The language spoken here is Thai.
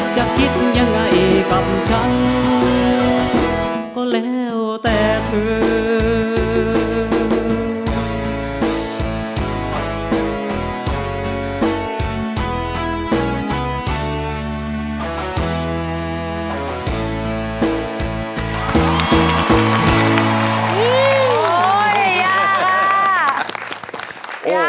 จะคิดยังไงกับฉันก็แล้วแต่เธอ